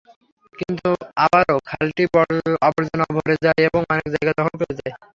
কিন্তু আবারও খালটি আবর্জনায় ভরে যায় এবং অনেক জায়গা দখল হয়ে যায়।